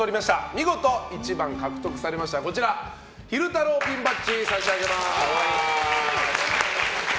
見事、１番を獲得されましたら昼太郎ピンバッジを差し上げます。